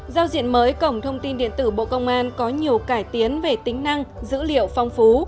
giao diện mới cổng thông tin điện tử bộ công an có nhiều cải tiến về tính năng dữ liệu phong phú